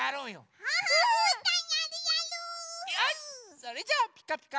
それじゃあ「ピカピカブ！」。